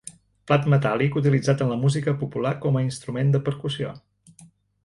Plat metàl·lic utilitzat en la música popular com a instrument de percussió.